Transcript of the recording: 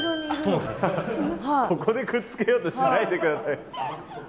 ここでくっつけようとしないで下さい。